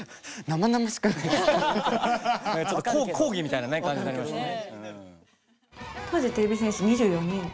ちょっと講義みたいなね感じになりますよね。